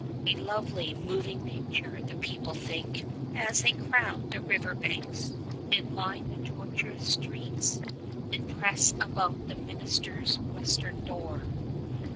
A lovely, moving picture, the people think, as they crowd the river banks, and line the tortuous streets, and press about the minister's western door.